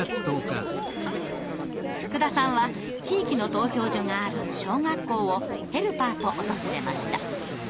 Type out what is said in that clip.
福田さんは地域の投票所がある小学校をヘルパーと訪れました。